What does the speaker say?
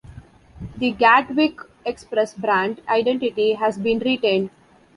The Gatwick Express brand identity has been retained.